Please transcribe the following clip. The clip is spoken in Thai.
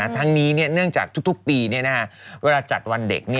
ทั้งนี้เนื่องจากทุกปีเวลาจัดวันเด็ก